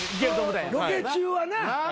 ロケ中はな